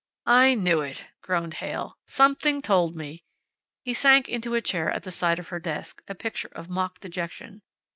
"I knew it," groaned Heyl. "Something told me." He sank into a chair at the side of her desk, a picture of mock dejection.